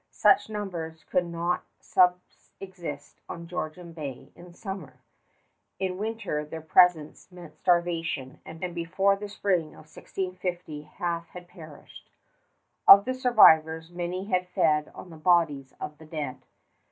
Such numbers could not subsist on Georgian Bay in summer. In winter their presence meant starvation, and before the spring of 1650 half had perished. Of the survivors, many had fed on the bodies of the dead.